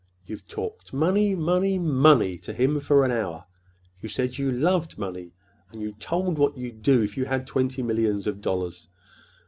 You've talked money, money, money to him for an hour. You said you loved money; and you told what you'd do—if you had twenty millions of dollars.